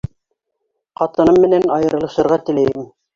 — Ҡатыным менән айырылышырға теләйем.